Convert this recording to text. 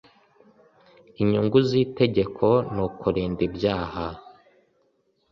inyungu z ‘itegeko nukurinda ibyaha.